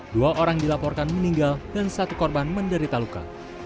dua orang dilaporkan meninggal dan satu korban menderita luka